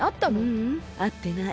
ううん。あってない。